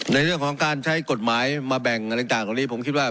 ในเรื่องของการใช้กฎหมายมาแบ่งอะไรต่างเหล่านี้ผมคิดว่า